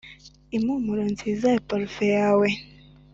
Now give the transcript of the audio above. impumuro nziza ya parufe yawe